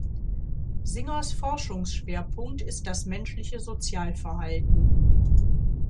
Singers Forschungsschwerpunkt ist das menschliche Sozialverhalten.